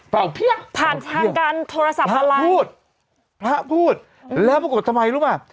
ผ่านทางการโทรศัพท์มาแล้วพูดพระพูดแล้วปรากฏทำไมรู้ป่ะ